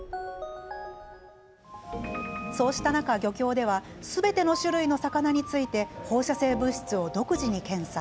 そうした中、漁協ではすべての種類の魚について放射性物質を独自に検査。